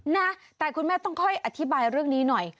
นะแต่คุณแม่ต้องค่อยอธิบายเรื่องนี้หน่อย